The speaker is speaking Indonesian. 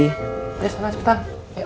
ya sana cepetan